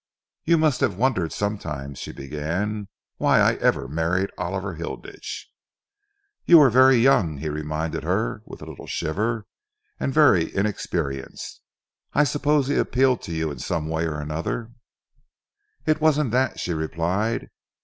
"You must have wondered sometimes," she began, "why I ever married Oliver Hilditch." "You were very young," he reminded her, with a little shiver, "and very inexperienced. I suppose he appealed to you in some way or another." "It wasn't that," she replied.